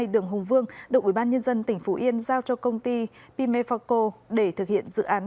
đường hùng vương đội ubnd tỉnh phú yên giao cho công ty pimefoco để thực hiện dự án